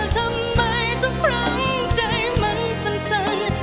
ทำไมทุกครั้งใจมันสำสัญ